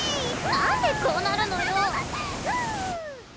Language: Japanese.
何でこうなるのよ